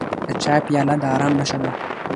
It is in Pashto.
د چای پیاله د ارام نښه ده.